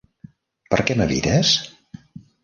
Per què m'evites?